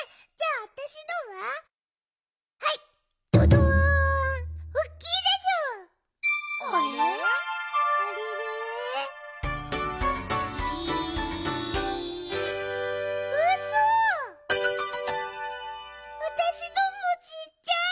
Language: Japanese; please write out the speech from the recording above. あたしのもちっちゃい！